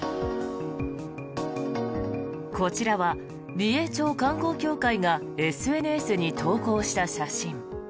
こちらは美瑛町観光協会がＳＮＳに投稿した写真。